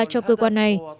cho cơ quan này